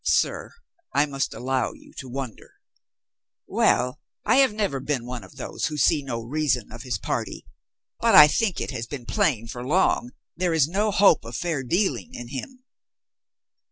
"Sir, I must allow you to wonder." "Well, I have never been of those who see no rea son of his party. But I think it has been plain for long there is no hope of fair dealing in him."